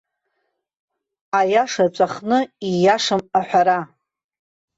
Аиаша ҵәахны, ииашам аҳәара.